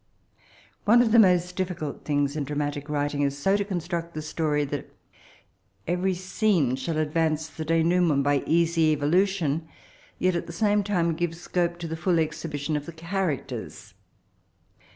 One of the most difficult things in dramatic writing is so to construct the story that every scene shall advance the denouement by easy evolution, yet at the same time give scope to the full exhibition of 5ie characters.